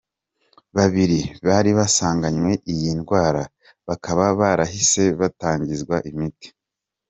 Babiri bari basanganywe iyi ndwara bakaba barahise batangizwa imiti.